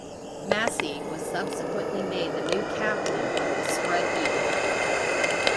Massie was subsequently made the new captain of the "Spread Eagle".